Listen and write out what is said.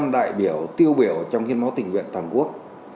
một trăm linh đại biểu tiêu biểu trong hiến máu tình nguyện toàn quốc